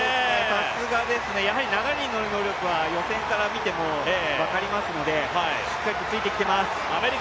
さすがですねやはり流れにのる能力は予選で見ても分かりますのでしっかりとついてきています。